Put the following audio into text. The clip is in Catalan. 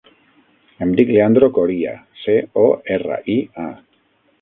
Em dic Leandro Coria: ce, o, erra, i, a.